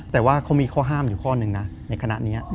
แต่ว่าเขามีข้อห้ามอยู่ข้อหนึ่งนะในขณะนี้